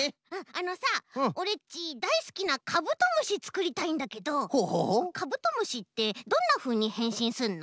あのさオレっちだいすきなカブトムシつくりたいんだけどカブトムシってどんなふうにへんしんすんの？